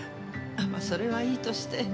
それはいいとして。